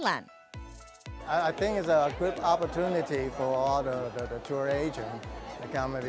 saya pikir ini adalah kesempatan yang baik untuk semua pelanggan tur